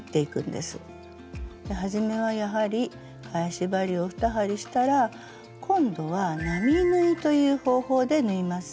ではじめはやはり返し針を２針したら今度は並縫いという方法で縫います。